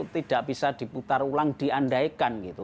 tidak bisa diputar ulang diandaikan gitu